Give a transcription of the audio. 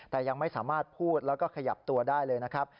แต่ยังไม่สามารถพูดแล้วก็ขยับตัวได้เลยนะครับ